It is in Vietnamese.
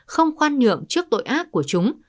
không khoan nhượng trước tội ác của chúng